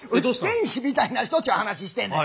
天使みたいな人っちゅう話してんねん。